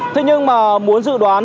thế nhưng mà muốn dự đoán